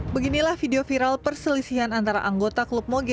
beginilah video viral perselisihan antara anggota klub moge